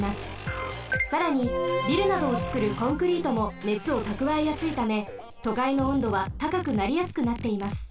さらにビルなどをつくるコンクリートもねつをたくわえやすいためとかいの温度はたかくなりやすくなっています。